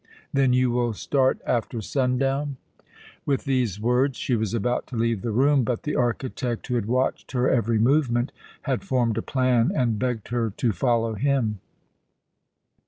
Then you will start after sundown?" With these words she was about to leave the room, but the architect, who had watched her every movement, had formed a plan and begged her to follow him.